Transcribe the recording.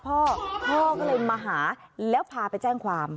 พ่อพ่อก็เลยมาหาแล้วพาไปแจ้งความ